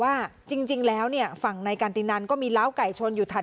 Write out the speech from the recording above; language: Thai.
ว่าจริงแล้วเนี่ยฝั่งในการตินันก็มีล้าวไก่ชนอยู่ถัด